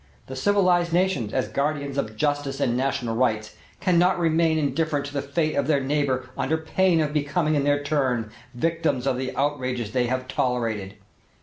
The civilized nations, as guardians of justice and national rights, cannot remain indifferent to the fate of their neighbor under pain of becoming in their turn victims of the outrages they have tolerated.